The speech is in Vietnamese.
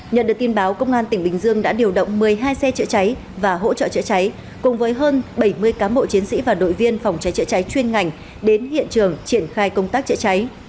nhận được tin báo công an tỉnh bình dương đã điều động một mươi hai xe chữa cháy và hỗ trợ chữa cháy cùng với hơn bảy mươi cán bộ chiến sĩ và đội viên phòng cháy chữa cháy chuyên ngành đến hiện trường triển khai công tác chữa cháy